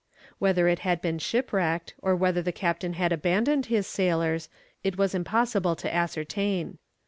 Whether it had been shipwrecked, or whether the captain had abandoned his sailors, it was impossible to ascertain.